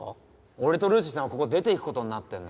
俺とルーシーさんはここ出て行く事になってんの。